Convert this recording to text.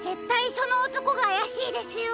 そのおとこがあやしいですよ。